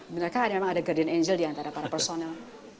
mereka memang ada guardian angel diantara para personel